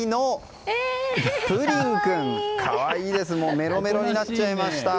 メロメロになっちゃいました。